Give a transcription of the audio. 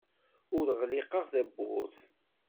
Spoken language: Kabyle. Ur ɣliqeɣ tawwurt.